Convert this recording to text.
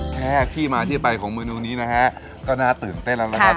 แค่ที่มาที่ไปของเมนูนี้นะฮะก็น่าตื่นเต้นแล้วนะครับ